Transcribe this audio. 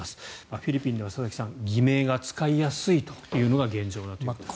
フィリピンでは、佐々木さん偽名が使いやすいというのが現状だということですね。